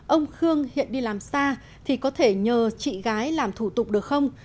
ông khương hiện đi làm xa thì có thể nhờ chị gái làm thủ tục được không